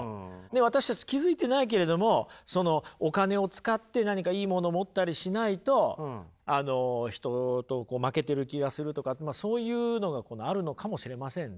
私たち気付いてないけれどもそのお金を使って何かいいもの持ったりしないとあの人と負けてる気がするとかまあそういうのがあるのかもしれませんね。